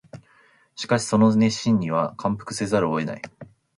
しかしその熱心には感服せざるを得ない